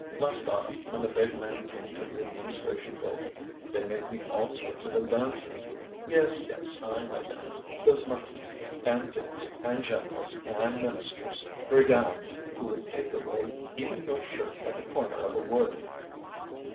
Last autumn, when the big men came to the administration building, they made me all sorts of advances. Yes, yes, I know them those marquises, and dukes, and generals, and ministers! Brigands who would take away even your shirt at the corner of a wood."